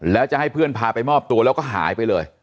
แล้วจะให้เพื่อนพาไปมอบตัวแล้วก็หายไปเลย